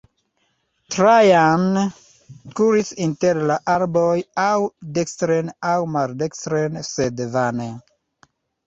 Trajan kuris inter la arboj, aŭ dekstren aŭ maldekstren, sed vane.